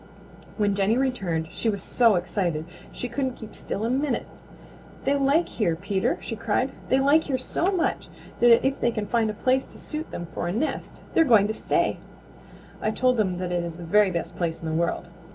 When Jenny returned she was so excited she couldn't keep still a minute. "They like here, Peter!" she cried. "They like here so much that if they can find a place to suit them for a nest they're going to stay. I told them that it is the very best place in the world.